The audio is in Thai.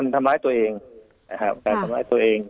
ทำร้ายตัวเอง